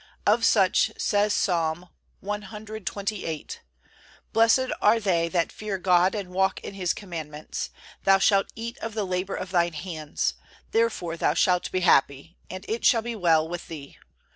Of such says Psalm cxxviii: "Blessed are they that fear God, and walk in His Commandments; thou shalt eat of the labor of thine hands; therefore thou shalt be happy, and it shall be well with thee.